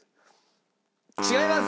違います！